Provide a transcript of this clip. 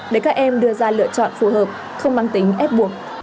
để các em đưa ra lựa chọn phù hợp không mang tính ép buộc